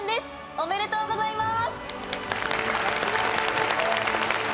おめでとうございます。